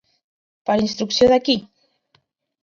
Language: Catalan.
Per instrucció de qui?